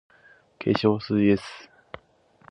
化粧水 ｓ